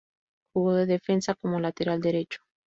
Jugó de defensa como lateral derecho.